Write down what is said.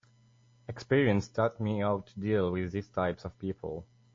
Experience taught me how to deal with these types of people.